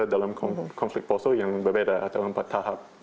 dalam konflik poso yang berbeda antara empat tahap